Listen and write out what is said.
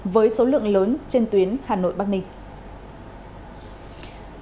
với số lượng lớn trên tuyến hà nội bắc ninh